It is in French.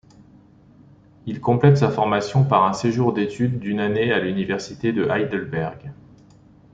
Il complète sa formation par un séjour d'études d'une année à l'université de Heidelberg.